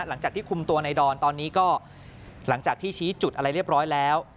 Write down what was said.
หลังจากที่คุมตัวในดอนตอนนี้ก็หลังจากที่ชี้จุดอะไรเรียบร้อยแล้ว